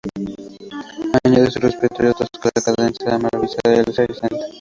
Añadió a su repertorio Tosca, la Condesa Almaviva, Elsa y Senta.